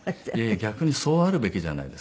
いや逆にそうあるべきじゃないですか。